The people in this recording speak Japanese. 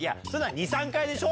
２３回でしょ？